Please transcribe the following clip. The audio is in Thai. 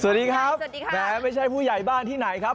สวัสดีครับสวัสดีค่ะไม่ใช่ผู้ใหญ่บ้านที่ไหนครับ